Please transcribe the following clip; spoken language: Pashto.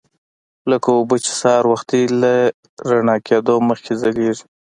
لکه اوبه چې سهار وختي له رڼا کېدو مخکې ځلیږي.